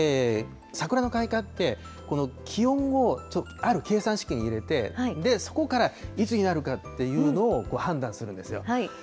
桜の開花って、この気温をある計算式に入れて、そこからいつになるかっていうのを判断するんですよ。